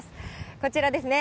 こちらですね。